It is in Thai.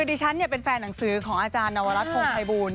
ดิฉันเป็นแฟนหนังสือของอาจารย์นวรัฐพงภัยบูล